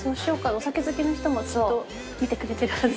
お酒好きな人もきっと見てくれてるはず。